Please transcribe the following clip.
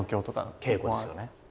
稽古ですよね。